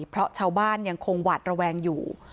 เพราะชาวบ้านยังคงหวาดระแวงอยู่